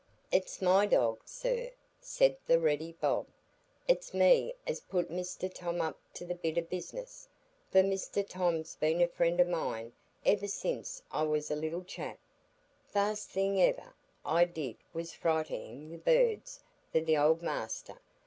"It's my dog, sir," said the ready Bob. "An' it's me as put Mr Tom up to the bit o' business; for Mr Tom's been a friend o' mine iver since I was a little chap; fust thing iver I did was frightenin' the birds for th' old master.